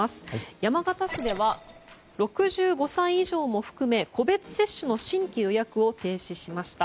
山形市では６５歳以上も含め個別接種の新規予約を停止しました。